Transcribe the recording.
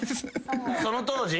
その当時？